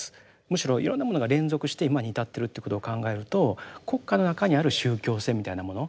むしろいろんなものが連続して今に至ってるということを考えると国家の中にある宗教性みたいなもの